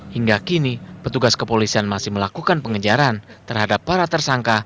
hingga kini petugas kepolisian masih melakukan pengejaran terhadap para tersangka